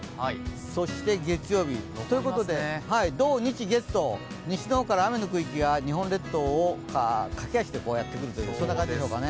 そして、月曜日ということで土日月と西の方から雨の区域が日本列島を駆け足でやってくるという感じですかね。